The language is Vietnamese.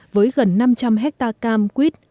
với gần năm trăm linh hectare cam quýt